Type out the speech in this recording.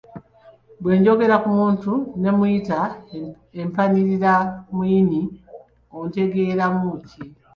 Bwe njogera ku muntu ne mmuyita empaniriramuyini, otegeeramu ki?